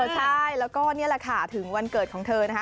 ใช่แล้วก็นี่แหละค่ะถึงวันเกิดของเธอนะคะ